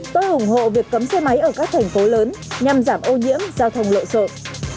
tôi ủng hộ việc cấm xe máy ở các thành phố lớn nhằm giảm ô nhiễm giao thông lộn xộn